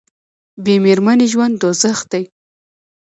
بې میرمنې ژوند دوزخ دی